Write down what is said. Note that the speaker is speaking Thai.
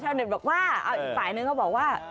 ชาวเน็ตบอกว่าอีกฝ่ายหนึ่งเขาบอกว่า